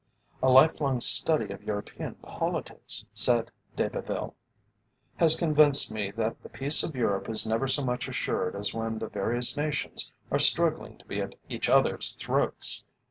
"A life long study of European politics," said De Belleville, "has convinced me that the peace of Europe is never so much assured as when the various nations are struggling to be at each other's throats.